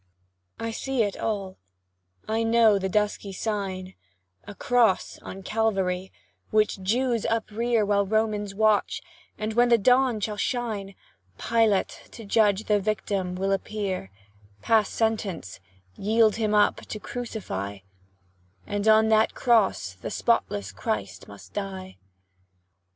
I see it all I know the dusky sign A cross on Calvary, which Jews uprear While Romans watch; and when the dawn shall shine Pilate, to judge the victim, will appear Pass sentence yield Him up to crucify; And on that cross the spotless Christ must die.